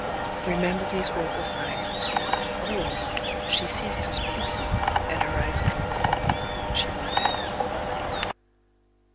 Remember these words of mine."... She ceased to speak; and her eyes closed. She was dead.